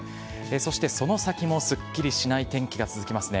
そしてその先もすっきりしない天気が続きますね。